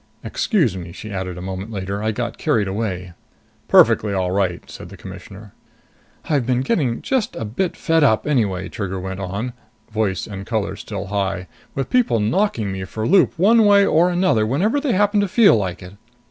"Excuse me," she added a moment later. "I got carried away." "Perfectly all right," said the Commissioner. "I've been getting just a bit fed up anyway," Trigger went on, voice and color still high, "with people knocking me for a loop one way or another whenever they happen to feel like it!"